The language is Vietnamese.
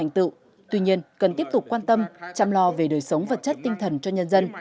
tuy nhiên cần tiếp tục quan tâm chăm lo về đời sống vật chất tinh thần cho nhân dân